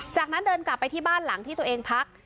จากนั้นเดินกลับไปที่บ้านหลังที่ตัวเองพัก